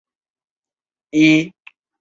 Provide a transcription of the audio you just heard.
库兹和圣弗龙人口变化图示